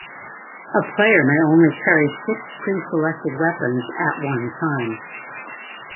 A player may only carry six pre-selected weapons at one time.